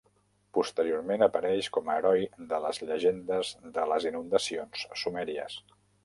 Posteriorment apareix com a heroi de les llegendes de les inundacions sumèries.